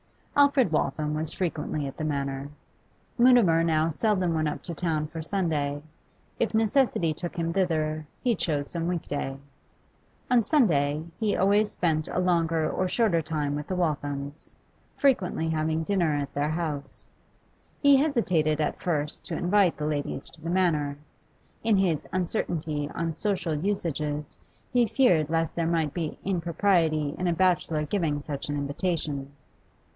Alfred Waltham was frequently at the Manor. Mutimer now seldom went up to town for Sunday; if necessity took him thither, he chose some week day. On Sunday he always spent a longer or shorter time with the Walthams, frequently having dinner at their house. He hesitated at first to invite the ladies to the Manor; in his uncertainty on social usages he feared lest there might be impropriety in a bachelor giving such an invitation.